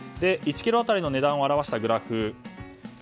１ｋｇ当たりの値段を表したグラフ。